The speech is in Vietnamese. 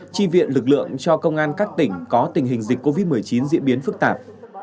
tri viện lực lượng cho công an các tỉnh có tình hình dịch covid một mươi chín diễn biến phức tạp